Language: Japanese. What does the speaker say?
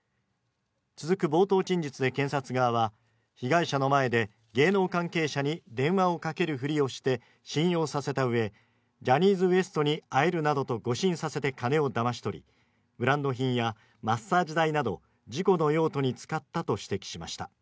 続く冒頭陳述で検察側は被害者の前で芸能関係者に電話をかけるふりをして信用させたうえ、ジャニーズＷＥＳＴに会えるなどと誤信させて金をだまし取りブランド品やマッサージ代など自己の用途に使ったと指摘しました。